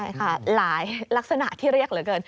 ใช่ค่ะหลายลักษณะที่เรียกเหลือเกิน